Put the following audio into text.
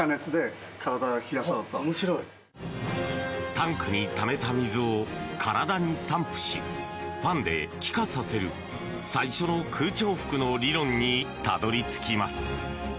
タンクにためた水を体に散布しファンで気化させる最初の空調服の理論にたどり着きます。